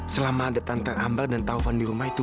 selama ada tantangan ambar dan taufan di rumah itu